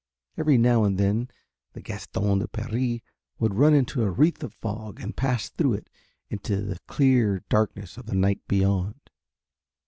Every now and then the Gaston de Paris would run into a wreath of fog and pass through it into the clear darkness of the night beyond.